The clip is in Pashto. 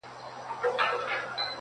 ما یي کمرونو کي لعلونه غوښتل-